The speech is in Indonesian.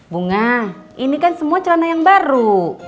bunga ini kan semua celana yang baru